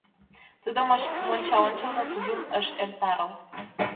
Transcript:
Тудо мончаончылно кужун ыш эртарыл.